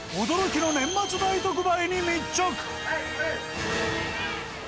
驚きの年末大特売に密着。